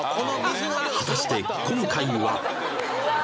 果たして今回は？